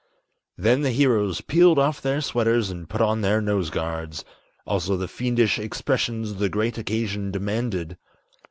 Then the heroes peeled off their sweaters and put on their nose guards, Also the fiendish expressions the great occasion demanded.